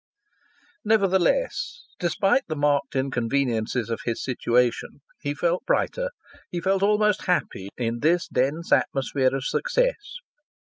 Nevertheless, despite the marked inconveniences of his situation, he felt brighter, he felt almost happy in this dense atmosphere of success.